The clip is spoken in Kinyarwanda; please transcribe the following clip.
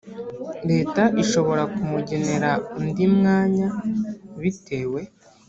leta ishobora kumugenera undi mwanya bitewe